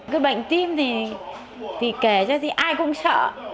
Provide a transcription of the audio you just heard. cứ bệnh tim thì kể ra thì ai cũng sợ